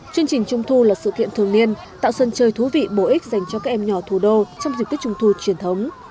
chương trình trung thu là sự kiện thường niên tạo sân chơi thú vị bổ ích dành cho các em nhỏ thủ đô trong dịch tích trung thu truyền thống